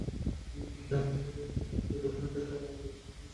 ইমরান তাহিরকে বাদ দিয়ে দক্ষিণ আফ্রিকা নিয়েছে আরেক বাঁহাতি স্পিনার রবিন পিটারসনকে।